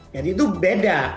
jadi itu beda